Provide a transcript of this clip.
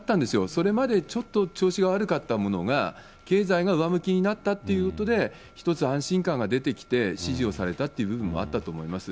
それまでちょっと調子が悪かったものが、経済が上向きになったっていうことで、一つ安心感が出てきて、支持をされたっていう部分もあったと思います。